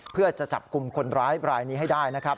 เพื่อจะจับกลุ่มคนร้ายรายนี้ให้ได้นะครับ